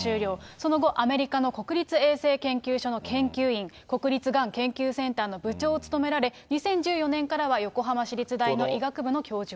その後、アメリカの国立衛生研究所の研究員、国立がん研究センターの部長を務められ、２０１４年からは横浜市立大の医学部の教授を。